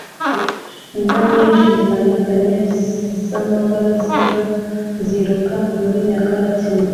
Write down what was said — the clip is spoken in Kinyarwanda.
imbwa nyinshi zitandukanye zamabara ziruka muri nyakatsi